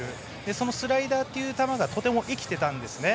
そのスライダーという球がとても生きていたんですね。